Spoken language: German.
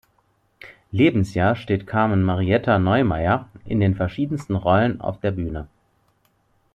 Lebensjahr steht Carmen Marietta Neumayr in den verschiedensten Rollen auf der Bühne.